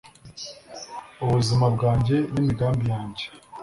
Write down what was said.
ubuzima bwanjye n'imigambi yanjye